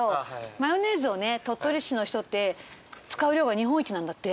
マヨネーズをね鳥取市の人って使う量が日本一なんだって。